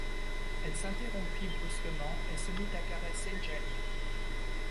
Elle s’interrompit brusquement, et se mit à caresser Djali.